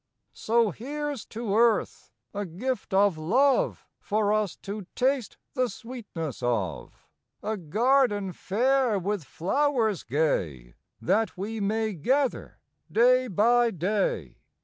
May Fifth So here s to EARTH a gift of love For us to taste the sweetness of! A Garden fair with flowers gay That we may gather day by day!